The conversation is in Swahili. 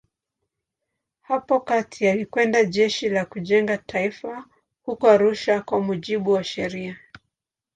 Hapo kati alikwenda Jeshi la Kujenga Taifa huko Arusha kwa mujibu wa sheria.